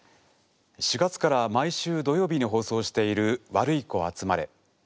４月から毎週土曜日に放送している「ワルイコあつまれ」。